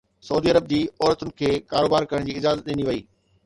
سعودي عرب جي عورتن کي ڪاروبار ڪرڻ جي اجازت ڏني وئي